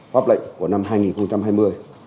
pháp lệnh của năm hai nghìn hai mươi